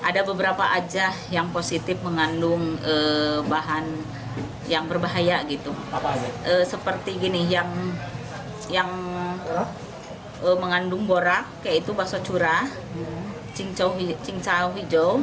dan mie basah curah